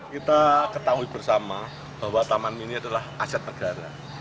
kita ketahui bersama bahwa taman mini adalah aset negara